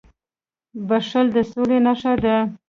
• بښل د سولي نښه ده.